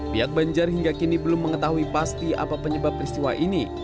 pihak banjar hingga kini belum mengetahui pasti apa penyebab peristiwa ini